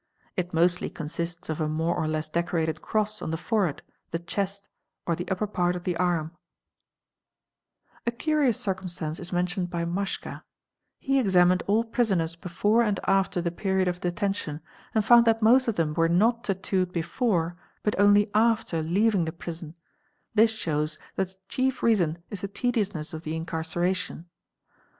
It mostly con — sists of a more or less decorated cross on the forehead, the chest, or the | Upper part of the arm ®), a TATTOO MARKS 165 A curious circumstance is mentioned by Mashka; he examined all prisoners before and after the period of detention and found that most of them were not tattooed before but only after leaving the prison, this _ shows that the chief reason is the tediousness of the incarceration.